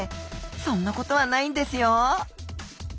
そんなことはないんですよ。